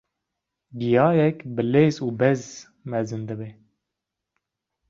giyayek bi lez û bez mezin dibe.